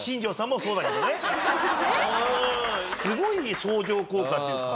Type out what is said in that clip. すごい相乗効果っていうか。